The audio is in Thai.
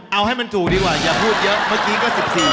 เอาให้มันจู่ดีกว่าอย่าพูดเยอะเมื่อกี้ก็๑๔